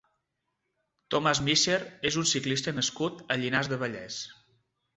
Tomas Misser és un ciclista nascut a Llinars del Vallès.